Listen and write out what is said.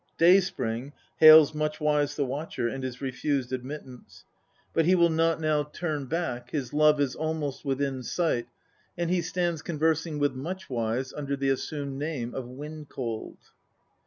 Day spring hails Much wise the watcher, and is refused admittance ; but he will not now turn INTRODUCTION. XLIII back, his love is almost within sight, and he stands conversing with Much wise under the assumed name of Wind cold.